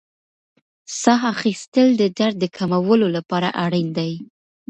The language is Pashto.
ساه اخیستل د درد د کمولو لپاره اړین دي.